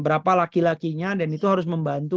berapa laki lakinya dan itu harus membantu